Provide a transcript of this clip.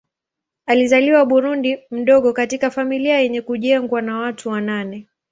Alizaliwa Burundi mdogo katika familia yenye kujengwa na watu wa nane.